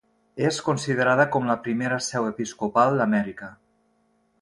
És considerada com la primera seu episcopal d'Amèrica.